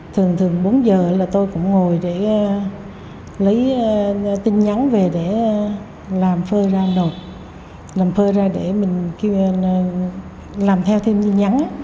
thường thường bốn giờ là tôi cũng ngồi để lấy tin nhắn về để làm phơi ra nộp làm phơi ra để mình làm theo thêm tin nhắn